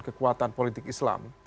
kekuatan politik islam